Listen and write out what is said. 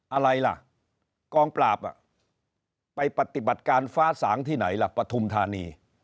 อะไรล่ะกองปราบไปปฏิบัติการฟ้าสางที่ไหนล่ะปฐุมธานี